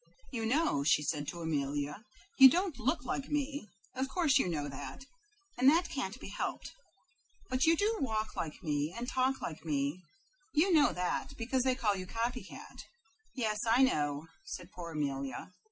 "You know," she said to Amelia, "you don't look like me. Of course you know that, and that can't be helped; but you do walk like me, and talk like me, you know that, because they call you 'CopyCat.'" "Yes, I know," said poor Amelia.